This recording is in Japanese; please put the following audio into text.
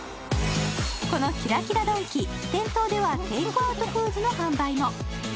このキラキラドンキ、店頭ではテークアウトフーズの販売も。